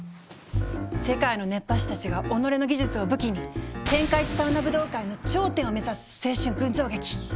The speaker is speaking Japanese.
世界の熱波師たちが己の技術を武器に「天下一サウナ武道会」の頂点を目指す青春群像劇！